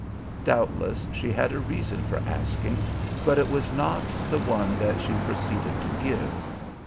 Doubtless she had a reason for asking, but it was not the one that she proceeded to give.